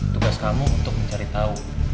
tugas kamu untuk mencari tahu